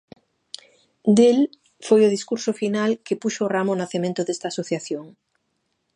Del foi o discurso final que puxo o ramo ao nacemento desta asociación.